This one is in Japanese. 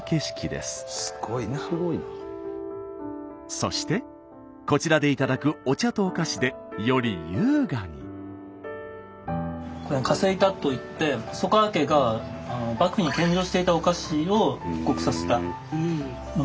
そしてこちらで頂くお茶とお菓子でより優雅に。といって細川家が幕府に献上していたお菓子を復刻させたもので。